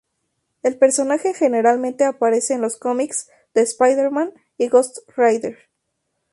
El personaje generalmente aparece en los cómics de Spider-Man y Ghost Rider.